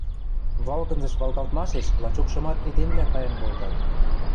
Валгынзыш валгалтмашеш лачокшымат эдемвлӓ кайын колтат.